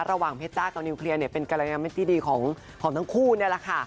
ระหว่างเพชรจ้ากับนิวเคลียร์เนี่ยเป็นกรยามิตรที่ดีของทั้งคู่นี่แหละค่ะ